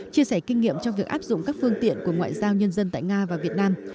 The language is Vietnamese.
chia sẻ kinh nghiệm trong việc áp dụng các phương tiện của ngoại giao nhân dân tại nga và việt nam